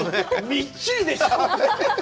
みっちりでしたね。